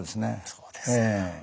そうですか。